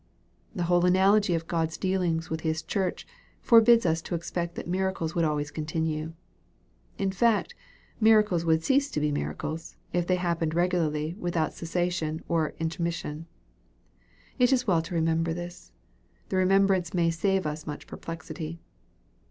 The whole analogy of God's dealings with His church, forbids us to expect that miracles would always continue. In fact, miracles would cease to be miracles, if they hap pened regularly without cessation or intermission. It is well to remember this. The remembrance may save us much perplexity.